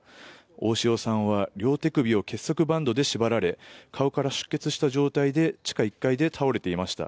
大塩さんは両手首を結束バンドで縛られ顔から出血した状態で地下１階で倒れていました。